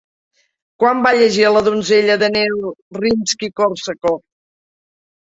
Quan va llegir La donzella de neu Rimski-Kórsakov?